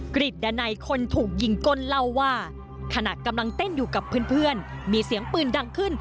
กริจดันัยคนถูกยิงก้นเล่าว่าขณะกำลังเต้นอยู่กับเพื่อนมีเสียงปืนดังขึ้น